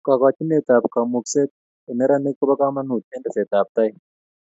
kokochinet ab kamukset eng neranik kopa kamanut eng tesetab ab tai